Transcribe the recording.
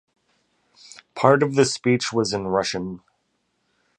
Part of the speech was in Russian.